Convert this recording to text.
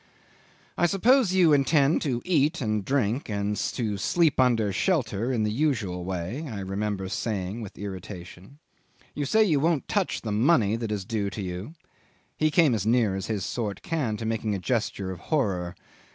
'"I suppose you intend to eat and drink and to sleep under shelter in the usual way," I remember saying with irritation. "You say you won't touch the money that is due to you." ... He came as near as his sort can to making a gesture of horror.